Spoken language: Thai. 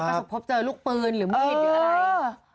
ประสบพบเจอลูกปืนหรือมีดหรืออะไร